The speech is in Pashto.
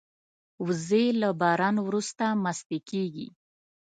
وزې له باران وروسته مستې کېږي